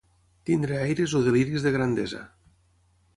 Tenir aires o deliris de grandesa.